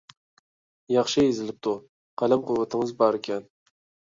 ياخشى يېزىلىپتۇ، قەلەم قۇۋۋىتىڭىز باركەن.